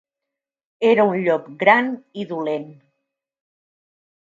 Era un llop gran i dolent.